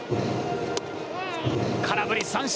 空振り三振！